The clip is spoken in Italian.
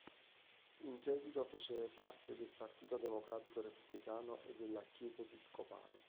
In seguito fece parte del Partito Democratico-Repubblicano e della Chiesa episcopale.